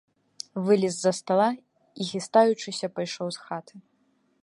Вылез з-за стала і, хістаючыся, пайшоў з хаты.